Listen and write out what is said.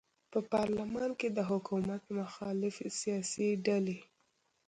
په پارلمان کې د حکومت مخالفې سیاسي ډلې